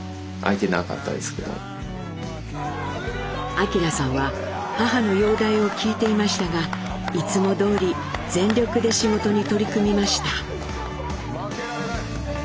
明さんは母の容体を聞いていましたがいつもどおり全力で仕事に取り組みました。